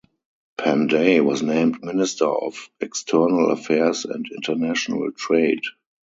Panday was named Minister of External Affairs and International Trade.